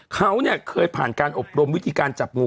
เขาเนี่ยเคยผ่านการอบรมวิธีการจับงู